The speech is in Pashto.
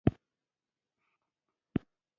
باسواده ښځې د موبایل جوړولو په برخه کې کار کوي.